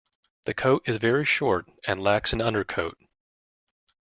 The coat is very short and lacks an undercoat.